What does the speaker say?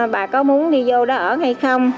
bà có muốn đi vô đó ở hay không